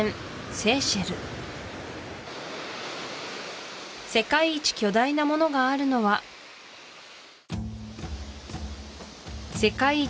セーシェル世界一巨大なものがあるのは世界一